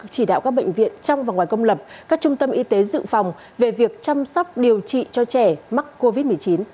chỉ đạo các bệnh viện trong và ngoài công lập các trung tâm y tế dự phòng về việc chăm sóc điều trị cho trẻ mắc covid một mươi chín